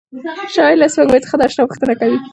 شاعر له سپوږمۍ څخه د اشنا پوښتنه کوي.